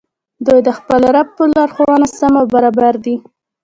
دوى د خپل رب په لارښووني سم او برابر دي